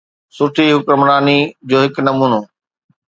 سٺي حڪمراني جو هڪ نمونو.